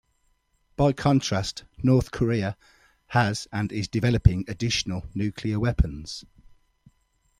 By contrast, North Korea has and is developing additional nuclear weapons.